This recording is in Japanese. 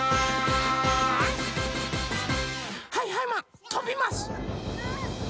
はいはいマンとびます！